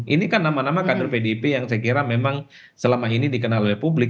ini kan nama nama kader pdip yang saya kira memang selama ini dikenal oleh publik